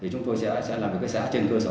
thì chúng tôi sẽ làm với cái xã trên cơ sở